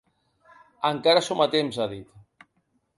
Encara som a temps, ha dit.